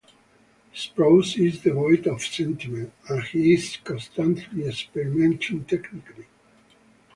His prose is devoid of sentiment, and he is constantly experimenting technically.